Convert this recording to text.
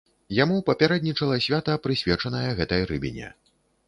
Яму папярэднічала свята, прысвечанае гэтай рыбіне.